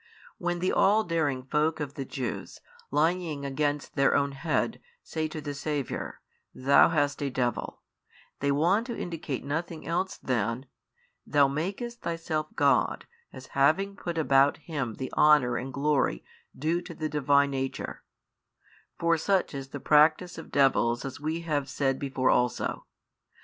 When the all daring folk of the Jews, lying against their own head, say to the Saviour, Thou hast a devil, they want to indicate nothing else than, Thou makest Thyself God, as having put about 4 Him the honour and glory due to the Divine Nature: for such is the practice of devils as we have said before also.